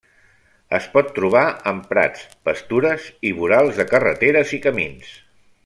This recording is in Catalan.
Es pot trobar en prats, pastures i vorals de carreteres i camins.